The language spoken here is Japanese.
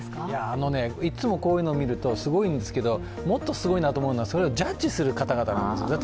いつもこういうの見るとすごいんですけどもっとすごいなと思うのは、それをジャッジする方々なんです。